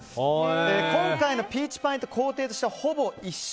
今回のピーチパインと工程としてはほぼ一緒。